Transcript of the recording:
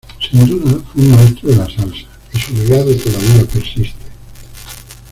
Sin duda, fue un maestro de la salsa y su legado todavía persiste.